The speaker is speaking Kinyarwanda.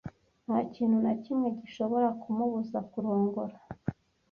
Nta kintu na kimwe gishobora kumubuza kurongora.